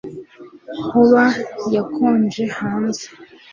Hoba hakonje hanze